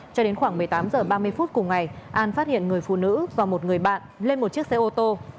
cho đến khoảng một mươi tám h ba mươi phút cùng ngày an phát hiện người phụ nữ và một người bạn lên một chiếc xe ô tô